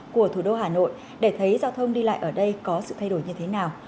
của thủ đô hà nội để thấy giao thông đi lại ở đây có sự thay đổi như thế nào